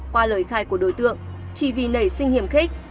qua lời khai của đối tượng chỉ vì nảy sinh hiểm khi